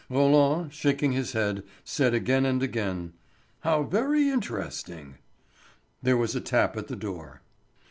Roland, shaking his head, said again and again: "How very interesting!" There was a tap at the door.